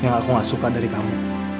yang aku gak suka dari kamu